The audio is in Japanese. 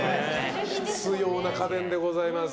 必要な家電でございます。